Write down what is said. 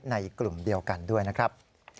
ในกลุ่มเดียวกันด้วยนะครับ